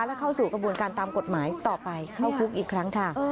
และเข้าสู่กระบวนการตามกฎหมายต่อไปเข้าคุกอีกครั้งค่ะ